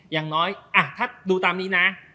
อย่างน้อยถ้าดูตามนี้นะ